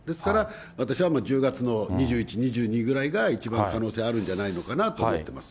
私は１０月の２１、２２ぐらいが、一番可能性があるんじゃないかなと思ってます。